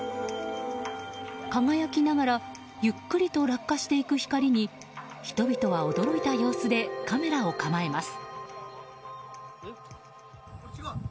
輝きながらゆっくりと落下していく光に人々は驚いた様子でカメラを構えます。